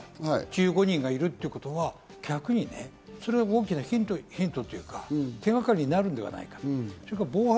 ３×５ぐらいの１５人がいるということは、逆にね、大きなヒントというか、手掛かりになるんではないかと。